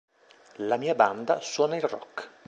La mia banda suona il rock